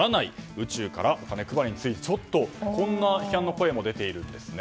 宇宙からのお金配りについてこんな批判の声も出ているんですね。